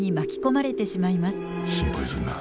心配すんな。